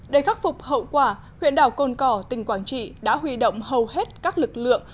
để khắc phục hậu quả huyện đảo cồn cỏ tỉnh quảng trị đã huy động hầu hết các lực lượng